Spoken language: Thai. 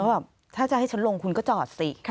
แบบถ้าจะให้ฉันลงคุณก็จอดสิ